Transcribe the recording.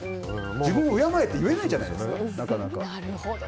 自分を敬えって言えないじゃないですか。